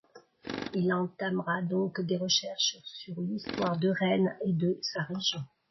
Il entamera donc des recherches sur l'histoire de Rennes et de sa région.